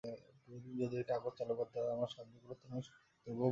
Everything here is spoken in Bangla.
তুমি যদি ঐ কাগজ চালু করতে আমায় সাহায্য কর, তবে খুবই কৃতজ্ঞ হব।